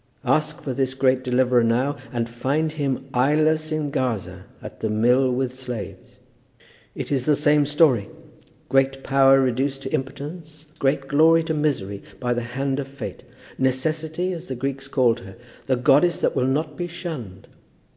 Ask for this great deliverer now, and find him Eyeless in Gaza, at the mill with slaves. It is the same story. Great power reduced to impotence, great glory to misery, by the hand of Fate, Necessity, as the Greeks called her; the goddess that will not be shunned!